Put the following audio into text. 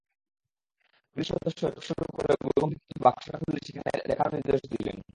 Police সদস্য চোখ সরু করে গুরুগম্ভীর কণ্ঠে বক্সটা খুলে দেখানোর নির্দেশ দিলেন।